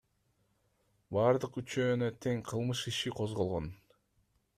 Бардык үчөөнө тең кылмыш иши козголгон.